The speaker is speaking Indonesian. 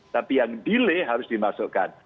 tapi yang delay harus dimasukkan